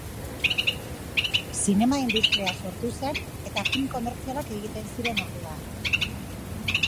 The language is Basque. Zinema industria sortu zen eta film komertzialak egiten ziren orduan.